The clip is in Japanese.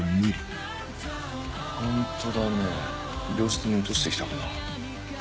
ホントだね病室に落としてきたかな。